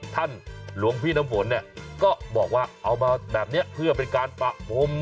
หลวงพี่น้ำฝนเนี่ยก็บอกว่าเอามาแบบนี้เพื่อเป็นการปะพรม